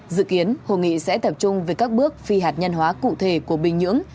dự kiến hội nghị sẽ tập trung về các bước phi hạt nhân hóa cụ thể của bình nhưỡng